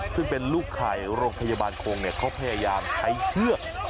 ซึ่งเป็นลูกไข่โรงพยาบาลโครงเนี่ยเค้าพยายามใช้เชื้อ